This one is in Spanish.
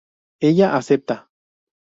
Ella acepta.